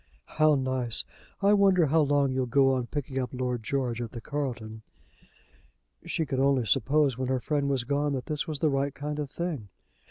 "How nice! I wonder how long you'll go on picking up Lord George at the Carlton." She could only suppose, when her friend was gone, that this was the right kind of thing.